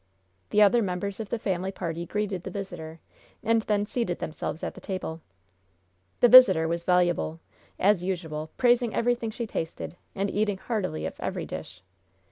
The other members of the family party greeted the visitor, and then seated themselves at the table. The visitor was voluble, as usual, praising everything she tasted, and eating heartily of every dish.